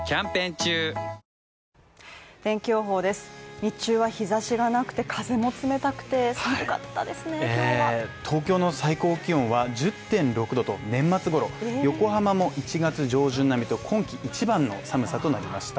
日中は日差しがなくて風も冷たくて寒かったですね、東京の最高気温は１０．６℃と、年末ごろ、横浜も１月上旬並みと今季一番の寒さとなりました。